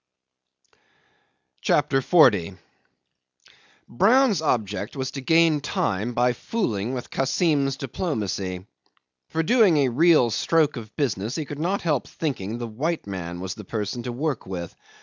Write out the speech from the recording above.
CHAPTER 40 'Brown's object was to gain time by fooling with Kassim's diplomacy. For doing a real stroke of business he could not help thinking the white man was the person to work with.